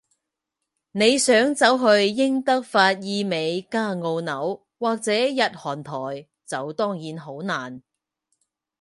你想走去英德法意美加澳紐，或者日韓台，就當然好難